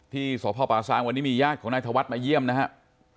ที่สพป่าซางวันนี้มีญาติของนายธวัฒน์มาเยี่ยมนะครับ